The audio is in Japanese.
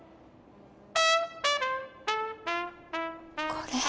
これ。